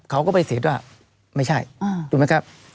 เขาก็ไปสิทธิ์ว่าไม่ใช่ถูกไหมครับ